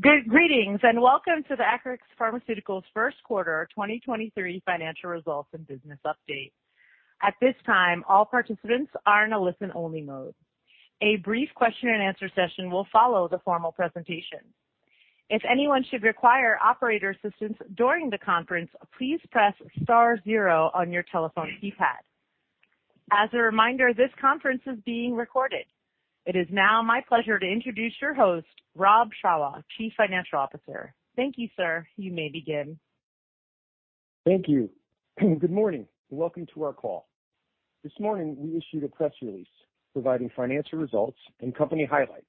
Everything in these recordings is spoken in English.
Greetings and welcome to the Acurx Pharmaceuticals first quarter 2023 financial results and business update. At this time, all participants are in a listen-only mode. A brief question and answer session will follow the formal presentation. If anyone should require operator assistance during the conference, please press star 0 on your telephone keypad. As a reminder, this conference is being recorded. It is now my pleasure to introduce your host, Rob Shawah, Chief Financial Officer. Thank you, sir. You may begin. Thank you. Good morning, and welcome to our call. This morning, we issued a press release providing financial results and company highlights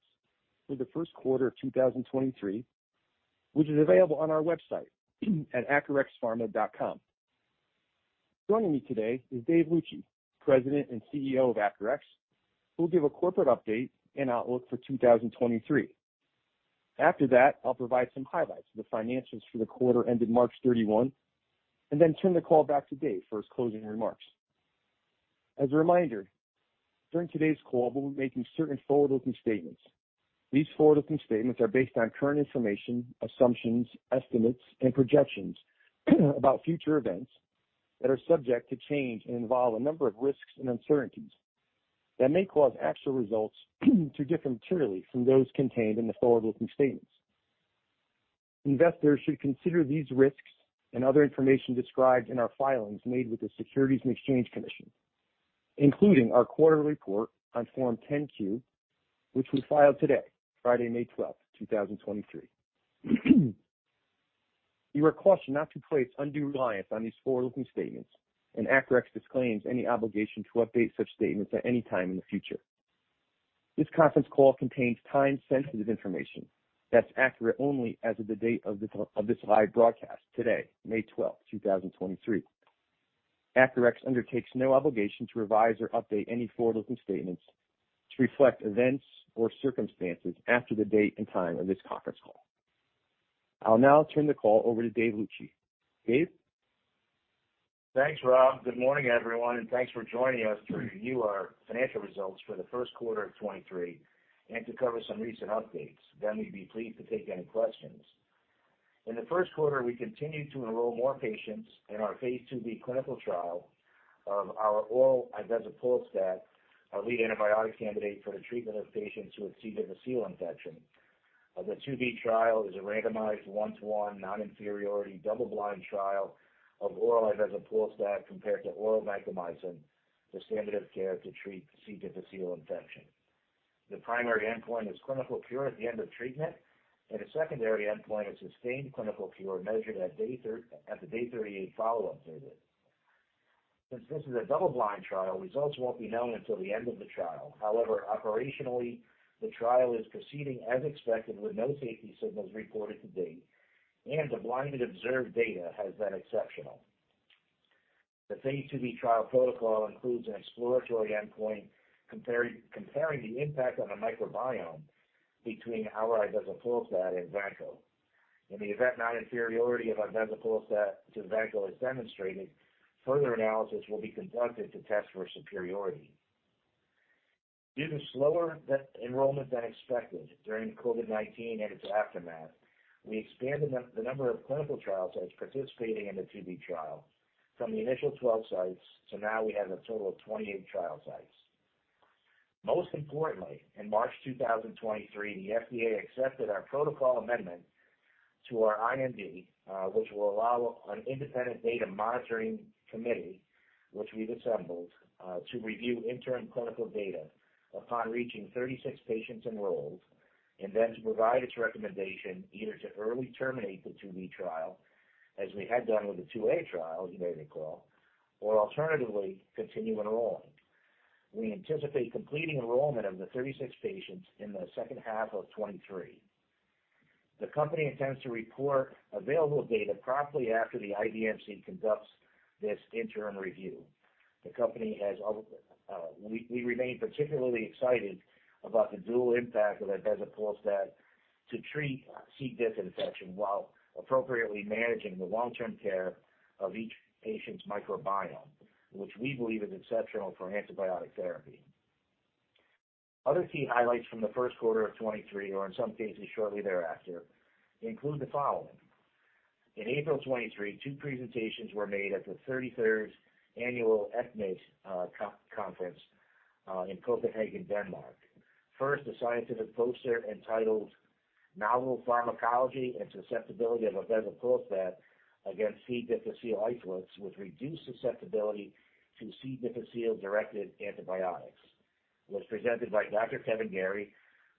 for the first quarter of 2023, which is available on our website at acurxpharma.com. Joining me today is David Luci, President and CEO of Acurx, who will give a corporate update and outlook for 2023. After that, I'll provide some highlights of the financials for the quarter ended March 31st, and then turn the call back to Dave for his closing remarks. As a reminder, during today's call, we'll be making certain forward-looking statements. These forward-looking statements are based on current information, assumptions, estimates, and projections about future events that are subject to change and involve a number of risks and uncertainties that may cause actual results to differ materially from those contained in the forward-looking statements. Investors should consider these risks and other information described in our filings made with the Securities and Exchange Commission, including our quarterly report on Form 10-Q, which we filed today, Friday, May 25th,2023. You are cautioned not to place undue reliance on these forward-looking statements, Acurx disclaims any obligation to update such statements at any time in the future. This conference call contains time-sensitive information that's accurate only as of the date of this live broadcast today, May 25th,2023. Acurx undertakes no obligation to revise or update any forward-looking statements to reflect events or circumstances after the date and time of this conference call. I'll now turn the call over to David Luci. Dave. Thanks, Rob. Good morning, everyone, and thanks for joining us to review our financial results for the 1st quarter of 2023 and to cover some recent updates. We'd be pleased to take any questions. In the 1st quarter, we continued to enroll more patients in our phase IIb clinical trial of our oral ibezapolstat, our lead antibiotic candidate for the treatment of patients with C. difficile infection. The phase IIb trial is a randomized one-to-one non-inferiority double blind trial of oral ibezapolstat compared to oral vancomycin, the standard of care to treat C. difficile infection. The primary endpoint is clinical cure at the end of treatment, and a secondary endpoint is sustained clinical cure measured at the day 38 follow-up visit. Since this is a double-blind trial, results won't be known until the end of the trial. However, operationally, the trial is proceeding as expected with no safety signals reported to date, and the blinded observed data has been exceptional. The phase IIb trial protocol includes an exploratory endpoint comparing the impact on the microbiome between our ibezapolstat and vanco. In the event non-inferiority of ibezapolstat to vanco is demonstrated, further analysis will be conducted to test for superiority. Due to slower enrollment than expected during COVID-19 and its aftermath, we expanded the number of clinical trial sites participating in the phase IIb trial from the initial 12 sites to now we have a total of 28 trial sites. Most importantly, in March 2023, the FDA accepted our protocol amendment to our IND, which will allow an Independent Data Monitoring Committee, which we've assembled, to review interim clinical data upon reaching 36 patients enrolled, and then to provide its recommendation either to early terminate the phase IIb trial, as we had done with the phase IIa trial, you may recall, or alternatively, continue enrolling. We anticipate completing enrollment of the 36 patients in the second half of 2023. The company remains particularly excited about the dual impact of ibezapolstat to treat C. difficile infection while appropriately managing the long-term care of each patient's microbiome, which we believe is exceptional for antibiotic therapy. Other key highlights from the first quarter of 2023 or in some cases shortly thereafter include the following. In April 2023, two presentations were made at the 33rd annual ECCMID conference in Copenhagen, Denmark. First, a scientific poster entitled Novel Pharmacology and Susceptibility of Ibezapolstat against C. difficile Isolates with Reduced Susceptibility to C. difficile-Directed Antibiotics was presented by Dr. Kevin Garey,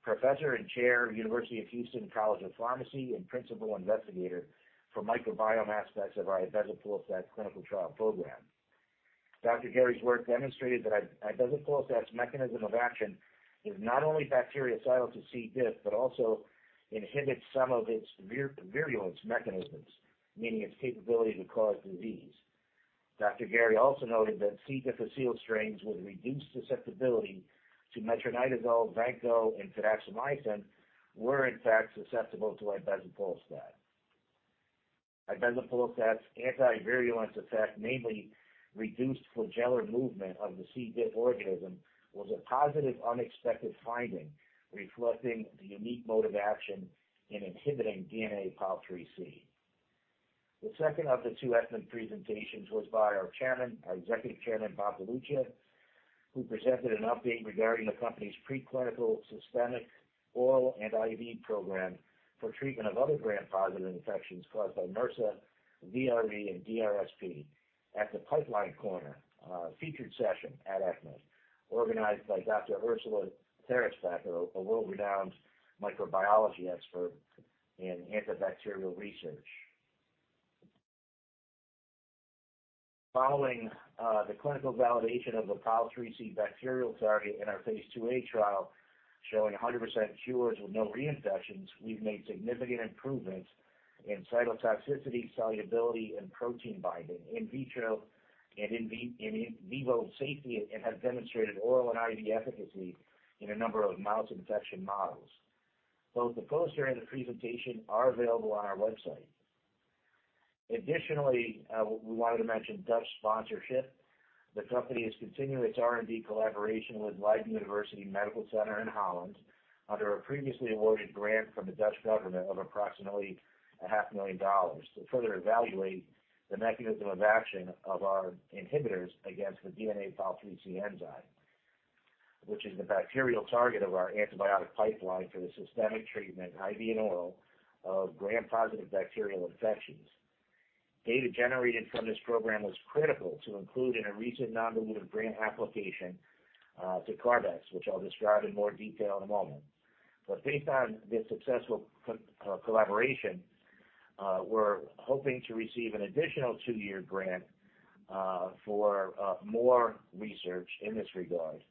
Professor and Chair, University of Houston College of Pharmacy, and principal investigator for microbiome aspects of our ibezapolstat clinical trial program. Dr. Garey's work demonstrated that ibezapolstat's mechanism of action is not only bactericidal to C. diff, but also inhibits some of its virulence mechanisms, meaning its capability to cause disease. Dr. Garey also noted that C. difficile strains with reduced susceptibility to metronidazole, vanco, and fidaxomicin were in fact susceptible to ibezapolstat. Ibezapolstat's anti-virulence effect, namely reduced flagellar movement of the C. diff organism, was a positive, unexpected finding, reflecting the unique mode of action in inhibiting DNA Pol IIIC. The second of the two ECCMID presentations was by our chairman, our Executive Chairman, Bob DeLuccia, who presented an update regarding the company's preclinical systemic oral and IV program for treatment of other gram-positive infections caused by MRSA, VRE, and DRSP at the Pipeline Corner featured session at ECCMID, organized by Dr. Ulrike Seifert, a world-renowned microbiology expert in antibacterial research. Following the clinical validation of the Pol IIIC bacterial target in our phase IIa trial, showing 100% cures with no reinfections, we've made significant improvements in cytotoxicity, solubility, and protein binding in vitro and in vivo safety, and have demonstrated oral and IV efficacy in a number of mouse infection models. Both the poster and the presentation are available on our website. Additionally, we wanted to mention Dutch sponsorship. The company is continuing its R&D collaboration with Leiden University Medical Center in Holland under a previously awarded grant from the Dutch government of approximately a half million dollars to further evaluate the mechanism of action of our inhibitors against the DNA Pol IIIC enzyme, which is the bacterial target of our antibiotic pipeline for the systemic treatment, IV and oral, of gram-positive bacterial ifections. Data generated from this program was critical to include in a recent non-dilutive grant application to CARB-X, which I'll describe in more detail in a moment. Based on this successful collaboration, we're hoping to receive an additional two-year grant for more research in this regard,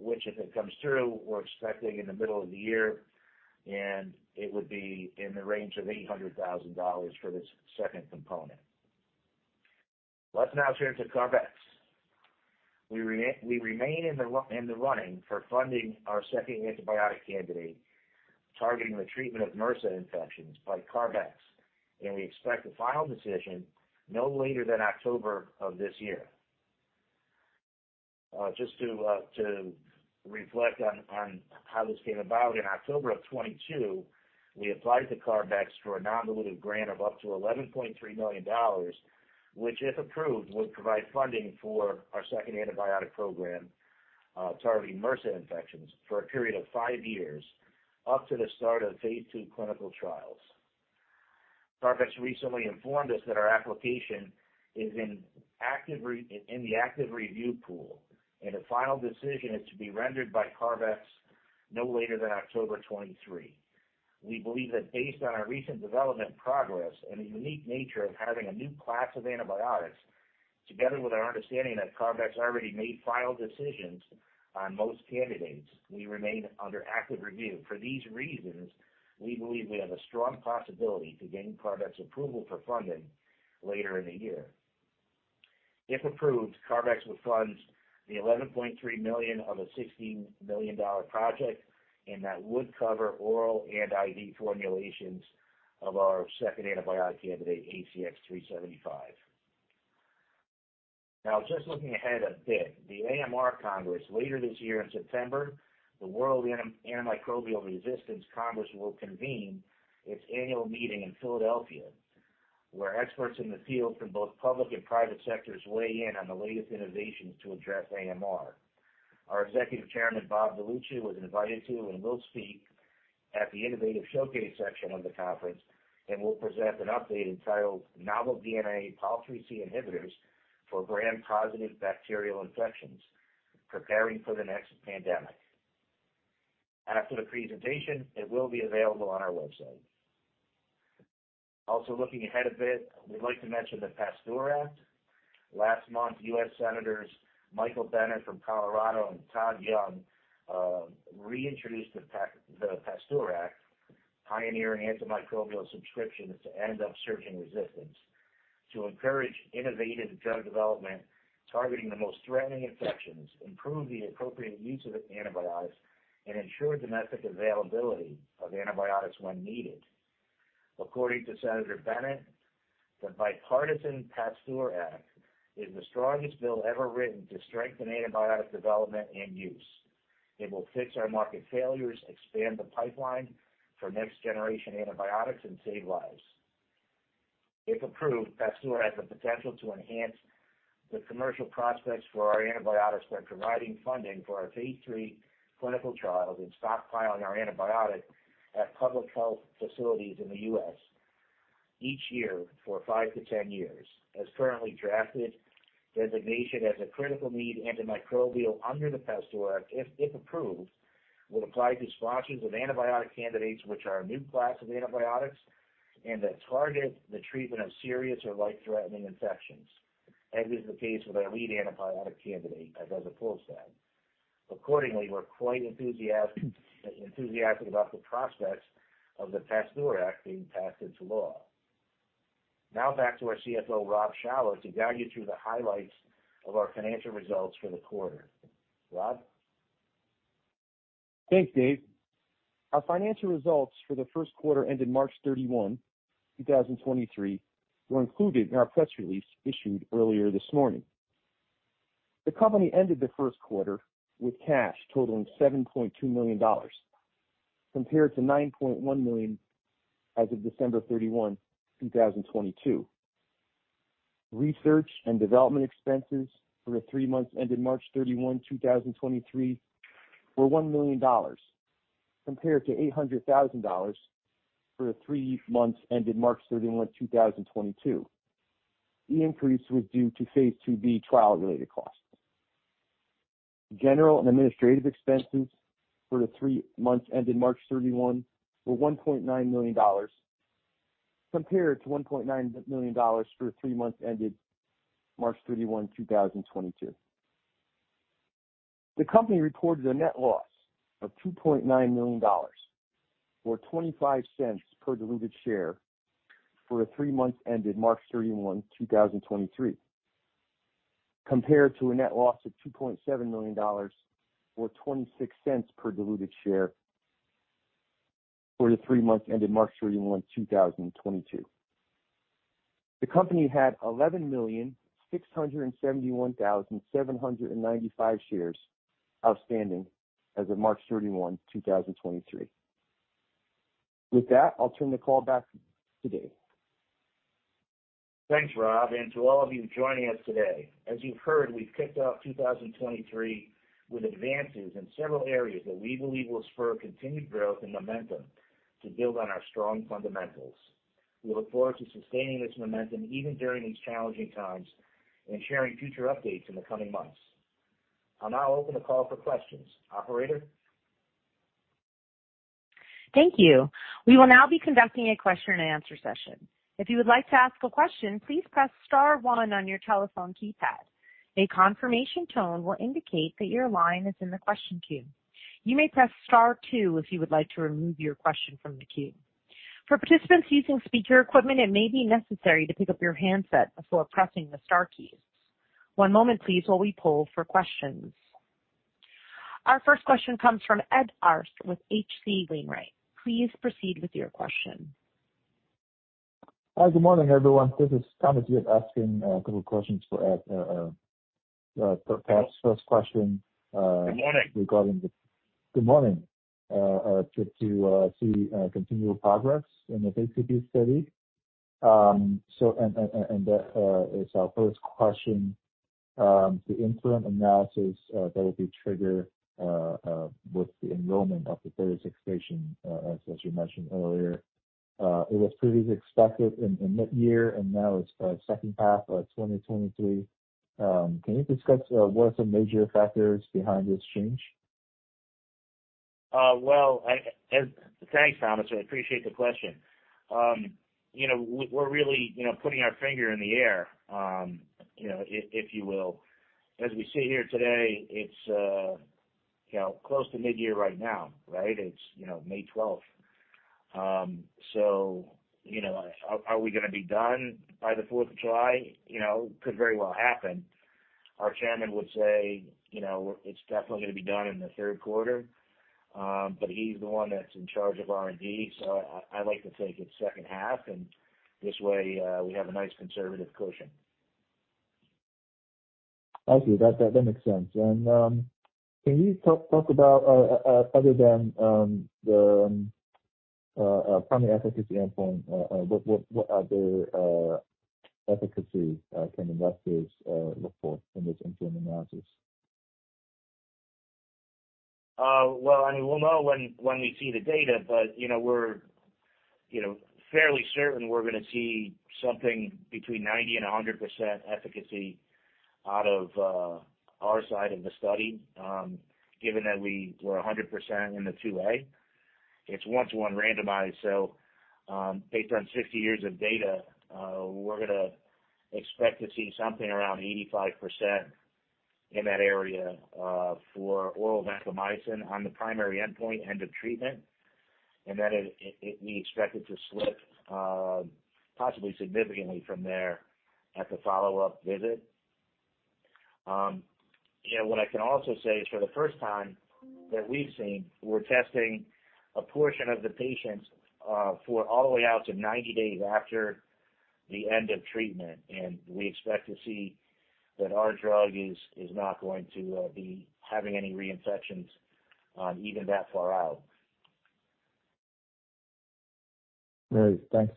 which if it comes through, we're expecting in the middle of the year, and it would be in the range of $800,000 for this second component. Let's now turn to CARB-X. We remain in the running for funding our second antibiotic candidate targeting the treatment of MRSA infections by CARB-X, and we expect the final decision no later than October of this year. Just to reflect on how this came about, in October 2022, we applied to CARB-X for a non-dilutive grant of up to $11.3 million, which, if approved, would provide funding for our second antibiotic program, targeting MRSA infections for a period of five years up to the start of phase II clinical trials. CARB-X recently informed us that our application is in the active review pool, a final decision is to be rendered by CARB-X no later than October 2023. We believe that based on our recent development progress and the unique nature of having a new class of antibiotics, together with our understanding that CARB-X already made final decisions on most candidates, we remain under active review. For these reasons, we believe we have a strong possibility to gain CARB-X approval for funding later in the year. If approved, CARB-X would fund the $11.3 million of a $16 million project, and that would cover oral and IV formulations of our second antibiotic candidate, ACX-375. Just looking ahead a bit, the AMR Congress later this year in September, the World Antimicrobial Resistance Congress will convene its annual meeting in Philadelphia, where experts in the field from both public and private sectors weigh in on the latest innovations to address AMR. Our Executive Chairman, Robert DeLuccia, was invited to and will speak at the innovative showcase section of the conference, and will present an update entitled, "Novel DNA Pol IIIC inhibitors for gram-positive bacterial infections: Preparing for the next pandemic." After the presentation, it will be available on our website. Also looking ahead a bit, we'd like to mention the PASTEUR Act. Last month, U.S. Senators Michael Bennet from Colorado and Todd Young reintroduced the PASTEUR Act, Pioneering Antimicrobial Subscriptions to End Upsurging Resistance, to encourage innovative drug development targeting the most threatening infections, improve the appropriate use of antibiotics, and ensure domestic availability of antibiotics when needed. According to Senator Bennet, "The bipartisan PASTEUR Act is the strongest bill ever written to strengthen antibiotic development and use. It will fix our market failures, expand the pipeline for next-generation antibiotics, and save lives." If approved, PASTEUR has the potential to enhance the commercial prospects for our antibiotics by providing funding for our phase III clinical trials and stockpiling our antibiotic at public health facilities in the U.S. each year for five years -10 years. As currently drafted, designation as a critical need antimicrobial under the PASTEUR Act, if approved, will apply to sponsors of antibiotic candidates which are a new class of antibiotics and that target the treatment of serious or life-threatening infections, as is the case with our lead antibiotic candidate, ibezapolstat. Accordingly, we're quite enthusiastic about the prospects of the PASTEUR Act being passed into law. Back to our CFO, Rob Shawah, to guide you through the highlights of our financial results for the quarter. Rob? Thanks, Dave. Our financial results for the first quarter ended March 31st, 2023 were included in our press release issued earlier this morning. The company ended the first quarter with cash totaling $7.2 million compared to $9.1 million as of December 31st, 2022. Research and development expenses for the three months ended March 31st, 2023 were $1 million compared to $800,000 for the three months ended March 31st, 2022. The increase was due to phase IIb trial-related costs. General and administrative expenses for the three months ended March 31st were $1.9 million compared to $1.9 million for three months ended March 31st, 2022. The company reported a net loss of $2.9 million or $0.25 per diluted share for the three months ended March 31st, 2023, compared to a net loss of $2.7 million or $0.26 per diluted share for the three months ended March 31st, 2022. The company had 11,671,795 shares outstanding as of March 31st 2023. With that, I'll turn the call back to Dave. Thanks, Rob, and to all of you joining us today. As you've heard, we've kicked off 2023 with advances in several areas that we believe will spur continued growth and momentum to build on our strong fundamentals. We look forward to sustaining this momentum even during these challenging times and sharing future updates in the coming months. I'll now open the call for questions. Operator? Thank you. We will now be conducting a question-and-answer session. If you would like to ask a question, please press star one on your telephone keypad. A confirmation tone will indicate that your line is in the question queue. You may press star two if you would like to remove your question from the queue. For participants using speaker equipment, it may be necessary to pick up your handset before pressing the star keys. One moment, please, while we poll for questions. Our first question comes from Ed Arce with H.C. Wainwright. Please proceed with your question. Hi, good morning, everyone. This is Thomas Yip asking a couple questions for Ed. Perhaps first question. Good morning. Good morning. To see continual progress in the Phase IIb study. That is our first question. The interim analysis that will be triggered with the enrollment of the thirties expansion as you mentioned earlier. It was previously expected in mid-year, and now it's second half of 2023. Can you discuss what are some major factors behind this change? Well, thanks, Thomas, I appreciate the question. You know, we're really, you know, putting our finger in the air, you know, if you will. As we sit here today, it's, you know, close to mid-year right now, right? It's, you know, May 25th. So, you know, are we gonna be done by the Fourth of July? You know, could very well happen. Our chairman would say, you know, it's definitely gonna be done in the third quarter, but he's the one that's in charge of R&D. I like to take it second half, and this way, we have a nice conservative cushion. Thank you. That makes sense. Can you talk about, other than the primary efficacy endpoint, what other efficacy can investors look for in this interim analysis? Well, I mean, we'll know when we see the data, but we're fairly certain we're gonna see something between 90% and 100% efficacy out of our side of the study, given that we were 100% in the phase IIa. It's one-to-one randomized, based on 60 years of data, we're gonna expect to see something around 85% in that area for oral vancomycin on the primary endpoint, end of treatment. We expect it to slip, possibly significantly from there at the follow-up visit. What I can also say is for the first time that we've seen, we're testing a portion of the patients for all the way out to 90 days after the end of treatment. We expect to see that our drug is not going to be having any reinfections, even that far out. Great. Thanks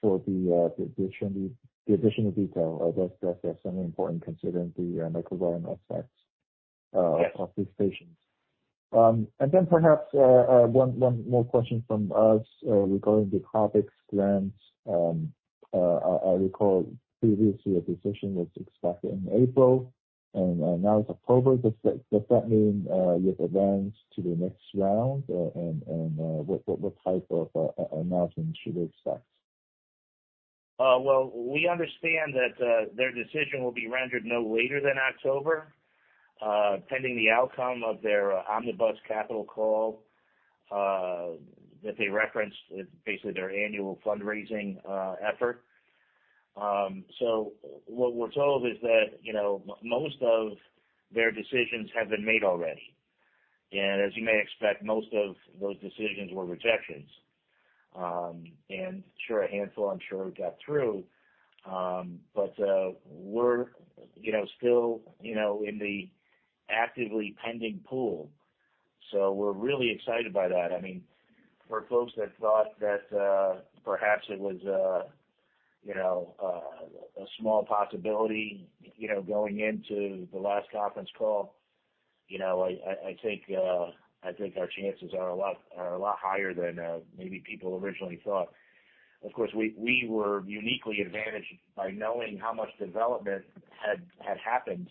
for the addition, the additional detail. That's something important considering the microbiome effects of these patients. Then perhaps one more question from us regarding the CARB-X grants. I recall previously a decision was expected in April and now it's October. Does that mean you've advanced to the next round? What type of announcement should we expect? Well, we understand that their decision will be rendered no later than October, pending the outcome of their omnibus capital call that they referenced with basically their annual fundraising effort. So what we're told is that, you know, most of their decisions have been made already. And as you may expect, most of those decisions were rejections. And I'm sure a handful, I'm sure, got through. But we're, you know, still, you know, in the actively pending pool. So we're really excited by that. I mean, for folks that thought that perhaps it was, you know, a small possibility, you know, going into the last conference call. You know, I think our chances are a lot are a lot higher than maybe people originally thought. Of course, we were uniquely advantaged by knowing how much development had happened.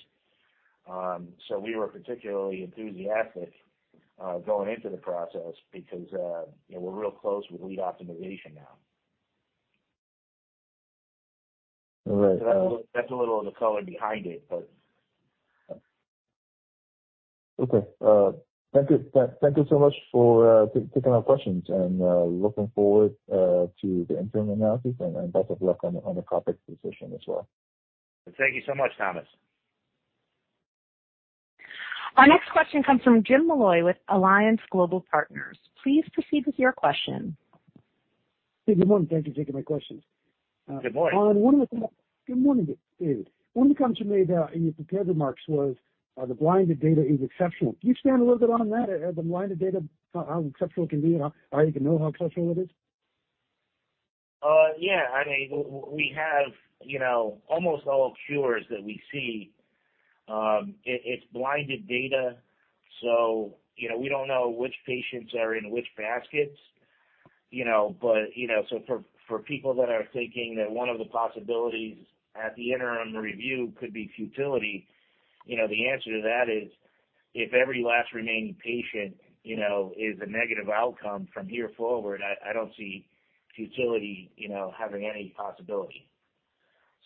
We were particularly enthusiastic going into the process because, you know, we're real close with lead optimization now. All right. That's a little of the color behind it, but... Okay. Thank you. Thank you so much for taking our questions, and looking forward to the interim analysis, and best of luck on the CARB-X position as well. Thank you so much, Thomas. Our next question comes from James Molloy with Alliance Global Partners. Please proceed with your question. Good morning. Thank you for taking my questions. Good morning. Good morning, David. One of the comments you made, in your prepared remarks was, the blinded data is exceptional. Can you expand a little bit on that, the blinded data, how exceptional it can be and how you can know how exceptional it is? Yeah. I mean, we have, you know, almost all cures that we see, it's blinded data, so, you know, we don't know which patients are in which baskets, you know. For people that are thinking that one of the possibilities at the interim review could be futility, you know, the answer to that is, if every last remaining patient, you know, is a negative outcome from here forward, I don't see futility, you know, having any possibility.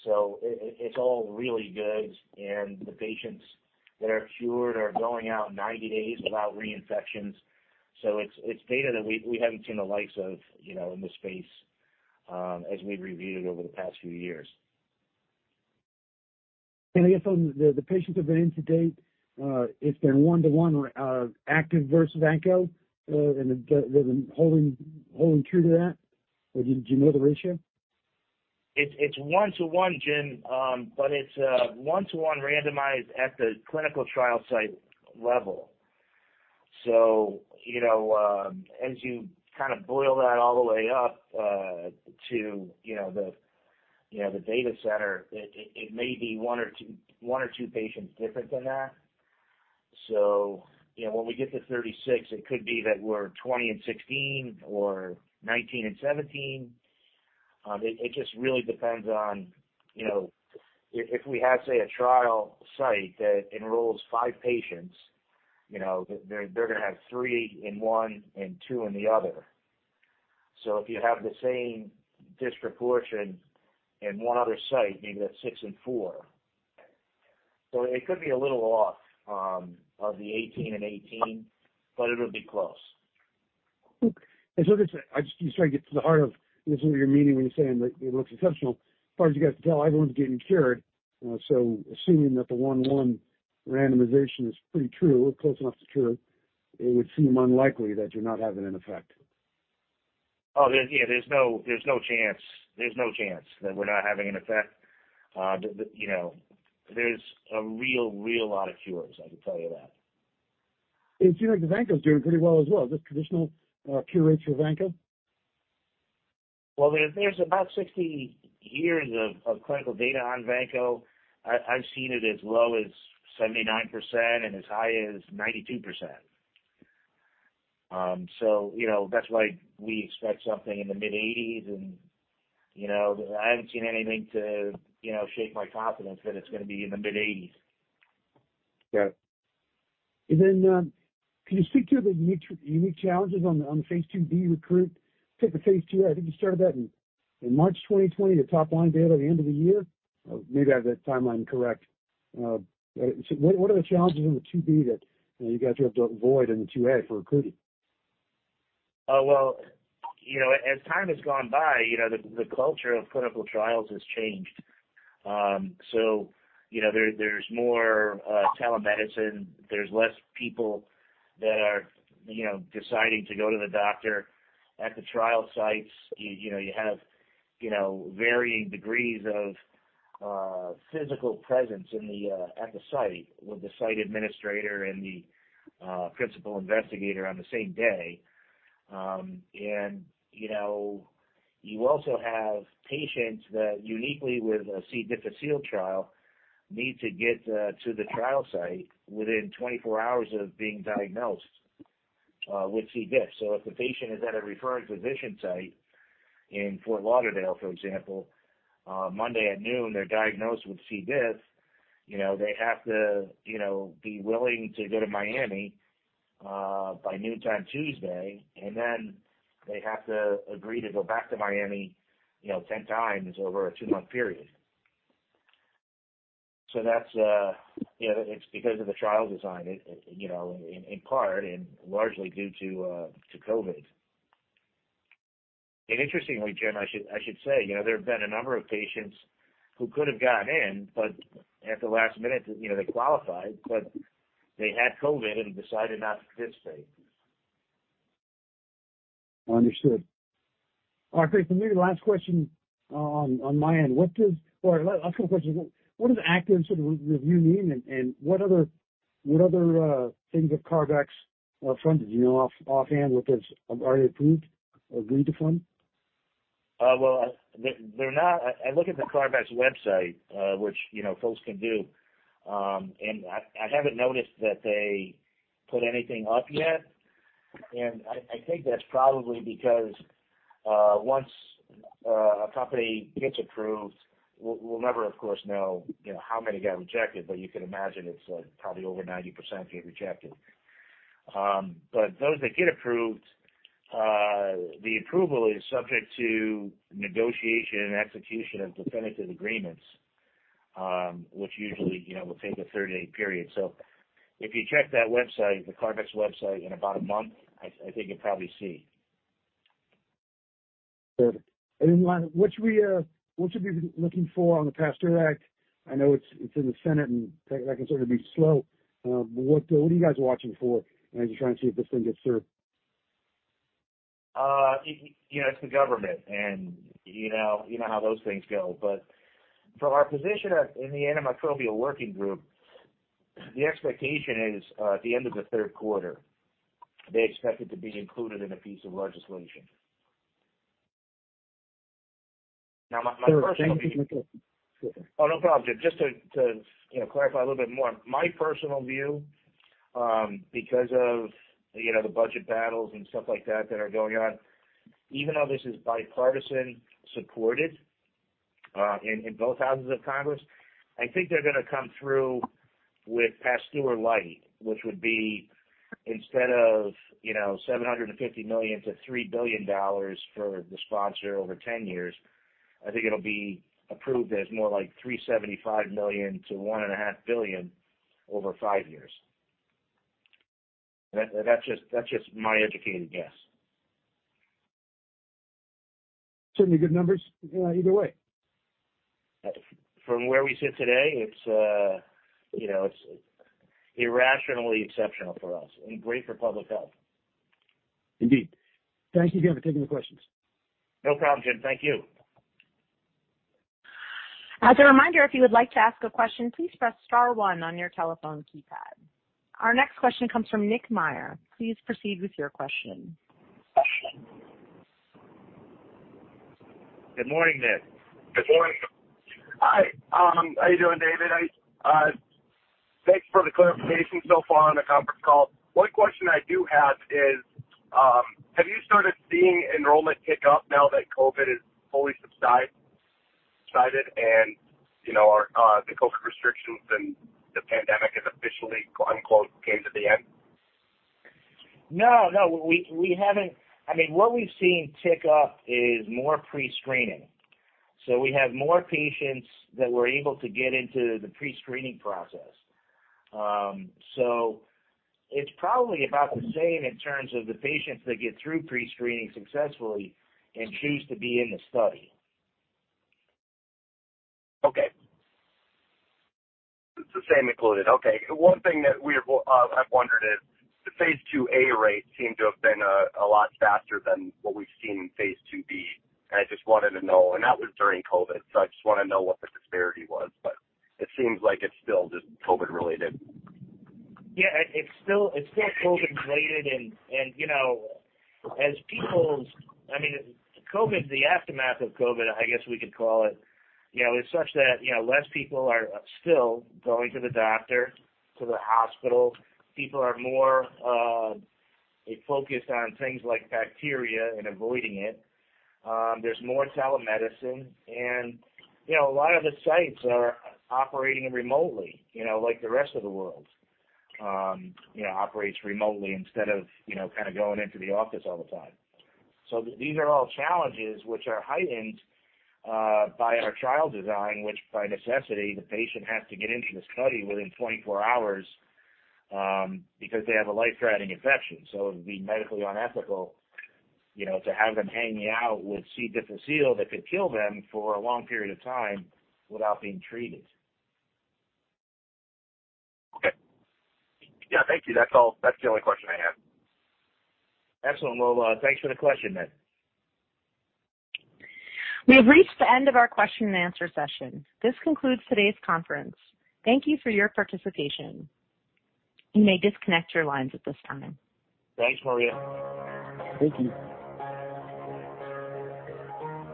It's all really good, and the patients that are cured are going out 90 days without reinfections. It's data that we haven't seen the likes of, you know, in the space, as we've reviewed over the past few years. I guess on the patients that ran to date, it's been one - one active versus vanco, and was it holding true to that, or do you know the ratio? It's 1:1, Jim, but it's 1:1 randomized at the clinical trial site level. You know, as you kind of boil that all the way up to, you know, the, you know, the data center, it may be one or two patients different than that. You know, when we get to 36, it could be that we're 20 and 16 or 19 and 17. It just really depends on, you know, if we have, say, a trial site that enrolls five patients, you know, they're gonna have three in one and two in the other. If you have the same disproportion in one other site, maybe that's six and four. It could be a little off of the 18 and 18, but it'll be close. Okay. I just trying to get to the heart of your meaning when you're saying that it looks exceptional. As far as you guys can tell, everyone's getting cured. Assuming that the one-one randomization is pretty true or close enough to true, it would seem unlikely that you're not having an effect. Oh, yeah. There's no chance. There's no chance that we're not having an effect. You know, there's a real lot of cures, I can tell you that. It seems like the vanco is doing pretty well as well. Is this traditional, cure rates for vanco? There's about 60 years of clinical data on vanco. I've seen it as low as 79% and as high as 92%. You know, that's why we expect something in the mid-80s and, you know, I haven't seen anything to, you know, shake my confidence that it's gonna be in the mid-80s. Yeah. Then, can you speak to the unique challenges on the Phase IIb recruit? I think the Phase IIa, you started that in March 2020, the top line data at the end of the year. Maybe I have that timeline correct. What are the challenges in the phase IIb that, you know, you guys were able to avoid in the phase IIa for recruiting? Well, you know, as time has gone by, you know, the culture of clinical trials has changed. So, you know, there's more telemedicine. There's less people that are, you know, deciding to go to the doctor at the trial sites. You, you know, you have, you know, varying degrees of physical presence in the at the site with the site administrator and the principal investigator on the same day. And, you know, you also have patients that uniquely with a C. difficile trial need to get to the trial site within 24 hours of being diagnosed with C. diff. If the patient is at a referring physician site in Fort Lauderdale, for example, Monday at noon, they're diagnosed with C. diff, you know, they have to, you know, be willing to go to Miami, by noontime Tuesday, and then they have to agree to go back to Miami, you know, 10x over a two-month period. That's, you know, it's because of the trial design, you know, in part and largely due to COVID. Interestingly, Jim, I should say, you know, there have been a number of patients who could have gotten in, but at the last minute, you know, they qualified, but they had COVID and decided not to participate. Understood. All right. Maybe the last question on my end, or a couple of questions. What does active sort of review mean and what other things have CARB-X funded? Do you know offhand already approved or agreed to fund? Well, I look at the CARB-X website, which, you know, folks can do, and I haven't noticed that they put anything up yet. I think that's probably because, once a company gets approved, we'll never, of course, know, you know, how many got rejected, but you can imagine it's, like, probably over 90% get rejected. Those that get approved, the approval is subject to negotiation and execution of definitive agreements, which usually, you know, will take a 30-day period. If you check that website, the CARB-X website in about a month, I think you'll probably see. Perfect. What should we be looking for on the PASTEUR Act? I know it's in the Senate, and that can sort of be slow. What are you guys watching for as you try and see if this thing gets through? You know, it's the government, and you know, you know how those things go. From our position in the Antimicrobials Working Group, the expectation is, at the end of the third quarter, they expect it to be included in a piece of legislation. My personal view. Thank you. No problem. Just to, you know, clarify a little bit more. My personal view, because of, you know, the budget battles and stuff like that that are going on, even though this is bipartisan supported, in both houses of Congress, I think they're gonna come through with PASTEUR light, which would be instead of, you know, $750 million-$3 billion for the sponsor over 10 years, I think it'll be approved as more like $375 million-$1.5 billion over five years. That's just, that's just my educated guess. Certainly good numbers, either way. From where we sit today, it's, you know, it's irrationally exceptional for us and great for public health. Indeed. Thank you again for taking the questions. No problem, Jim. Thank you. As a reminder, if you would like to ask a question, please press star 1 on your telephone keypad. Our next question comes from Nick Meyer. Please proceed with your question. Good morning, Nick. Good morning. Hi, how you doing, David? Thanks for the clarification so far on the conference call. One question I do have is, have you started seeing enrollment kick up now that COVID has fully subsided and, you know, the COVID restrictions and the pandemic has officially quote-unquote, came to the end? No, we haven't. I mean, what we've seen tick up is more pre-screening. We have more patients that we're able to get into the pre-screening process. It's probably about the same in terms of the patients that get through pre-screening successfully and choose to be in the study. Okay. It's the same included. Okay. One thing that I've wondered is the phase IIa rates seem to have been a lot faster than what we've seen in phase IIb. I just wanted to know, and that was during COVID, so I just wanna know what the disparity was. It seems like it's still just COVID-related. Yeah, it's still COVID related. you know, as I mean, COVID, the aftermath of COVID, I guess we could call it, you know, is such that, you know, less people are still going to the doctor, to the hospital. People are more focused on things like bacteria and avoiding it. There's more telemedicine and, you know, a lot of the sites are operating remotely, you know, like the rest of the world, you know, operates remotely instead of, you know, kinda going into the office all the time. These are all challenges which are heightened by our trial design, which by necessity, the patient has to get into the study within 24 hours, because they have a life-threatening infection. It would be medically unethical, you know, to have them hanging out with C. difficile that could kill them for a long period of time without being treated. Okay. Yeah. Thank you. That's all. That's the only question I have. Excellent. Well, thanks for the question, Nick. We have reached the end of our question and answer session. This concludes today's conference. Thank you for your participation. You may disconnect your lines at this time. Thanks, Maria. Thank you.